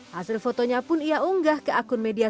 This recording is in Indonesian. hasil fotonya pun ia unggah ke akun media